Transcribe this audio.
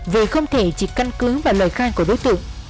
vì không thể chỉ căn cứ và lời khai của đối tượng